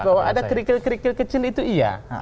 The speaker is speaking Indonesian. bahwa ada kerikil kerikil kecil itu iya